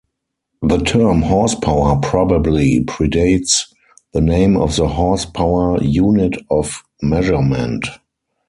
The term "horse power" probably predates the name of the horsepower unit of measurement.